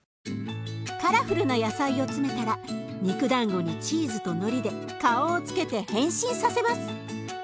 カラフルな野菜を詰めたら肉だんごにチーズとのりで顔をつけて変身させます。